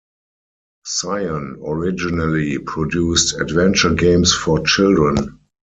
Cyan originally produced adventure games for children.